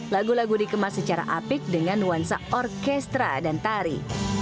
lagu lagu dikemas secara apik dengan nuansa orkestra dan tari